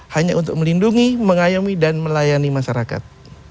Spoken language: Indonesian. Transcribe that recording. hanya untuk melindungi mengayomi dan melayani masyarakat